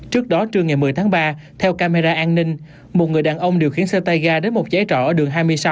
trước đó trưa ngày một mươi tháng ba theo camera an ninh một người đàn ông điều khiển xe tay ga đến một cháy trọ ở đường hai mươi sáu